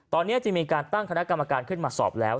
ตอนนี้จึงมีการตั้งคณะกรรมการขึ้นมาสอบแล้ว